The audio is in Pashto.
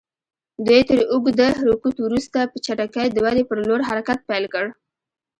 دوی تر اوږده رکود وروسته په چټکۍ د ودې پر لور حرکت پیل کړ.